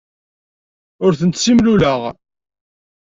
Ur tent-ssimluleɣ.